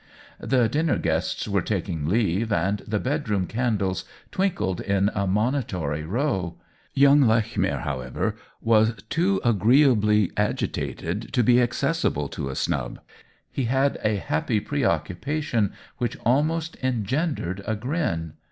The dinner guests were taking leave and the bedroom candles twinkled in a monitory row. Young Lechmere, how ever, was too agreeably agitated to be ac cessible to a snub : he had a happy pre occupation which almost engendered a grin.